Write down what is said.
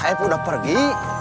saya pun udah pergi